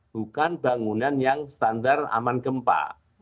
bukan bangunan yang standar aman gempa